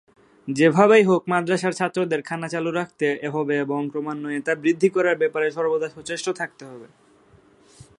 যেভাবেই হোক মাদরাসার ছাত্রদের খানা চালু রাখতে হবে বরং ক্রমান্বয়ে তা বৃদ্ধি করার ব্যাপারে সর্বদা সচেষ্ট থাকতে হবে।